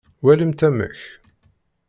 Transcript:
Walimt amek.